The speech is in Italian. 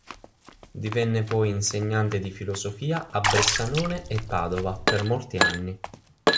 Divenne poi insegnante di filosofia a Bressanone e Padova per molti anni.